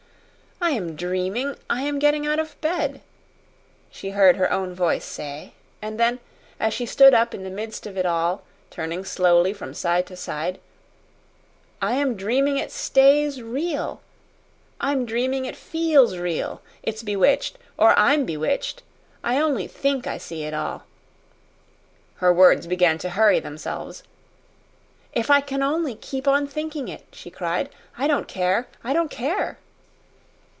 "I am dreaming I am getting out of bed," she heard her own voice say; and then, as she stood up in the midst of it all, turning slowly from side to side "I am dreaming it stays real! I'm dreaming it FEELS real. It's bewitched or I'm bewitched. I only THINK I see it all." Her words began to hurry themselves. "If I can only keep on thinking it," she cried, "I don't care! I don't care!"